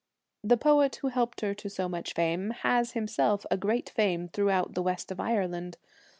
The poet who helped her to so much fame has himself a great fame throughout the west of Ireland.